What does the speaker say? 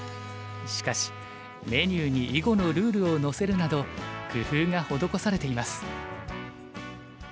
しかしメニューに囲碁のルールを載せるなど工夫が施されています。